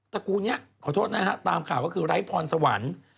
ระกูลนี้ขอโทษนะฮะตามข่าวก็คือไร้พรสวรรค์